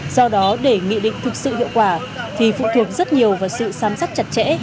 do đó để nghị định thực sự hiệu quả thì phụ thuộc rất nhiều vào sự giám sát chặt chẽ